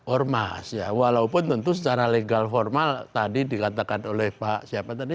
ormas ya walaupun tentu secara legal formal tadi dikatakan oleh pak siapa tadi